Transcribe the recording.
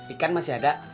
ikan masih ada